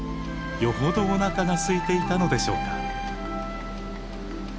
よほどおなかがすいていたのでしょうか。